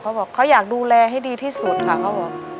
เขาบอกเขาอยากดูแลให้ดีที่สุดค่ะเขาบอก